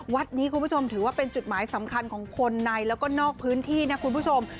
วัดนี้คุณผู้ชมถือว่าเป็นจุดหมายสำคัญของคนในแล้วก็นอกพื้นที่นะคุณผู้ชม